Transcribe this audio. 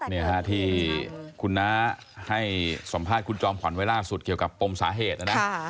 นี่ฮะที่คุณน้าให้สัมภาษณ์คุณจอมขวัญไว้ล่าสุดเกี่ยวกับปมสาเหตุนะนะ